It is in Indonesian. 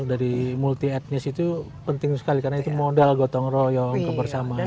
dari multi etnis itu penting sekali karena itu modal gotong royong kebersamaan